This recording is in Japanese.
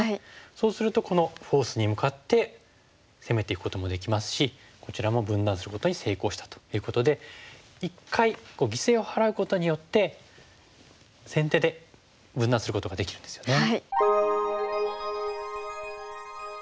そうするとこのフォースに向かって攻めていくこともできますしこちらも分断することに成功したということで一回犠牲を払うことによって先手で分断することができるんですよね。